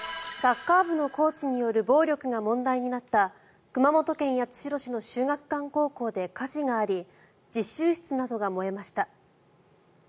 サッカー部のコーチによる暴力が問題になった熊本県八代市の秀岳館高校で火事があり実習室などが燃えました。